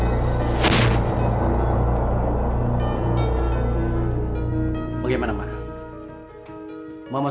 makamu di sini sekarang bukan sem subscribers